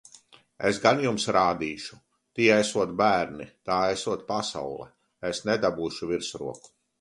Es jums gan rādīšu! Tie esot bērni! Tā esot pasaule! Es nedabūšu virsroku!